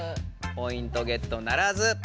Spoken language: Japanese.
ポイントゲットならず！